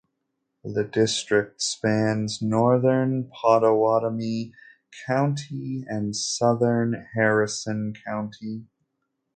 The district spans northern Pottawattamie County and southern Harrison County.